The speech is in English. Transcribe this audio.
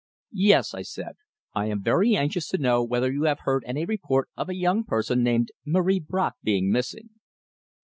"Yes," I said. "I am very anxious to know whether you have any report of a young person named Marie Bracq being missing."